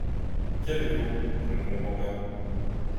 Qu’avez-vous ? je ne comprends pas.